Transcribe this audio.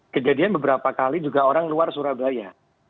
kejadian beberapa kali juga orang luar surabaya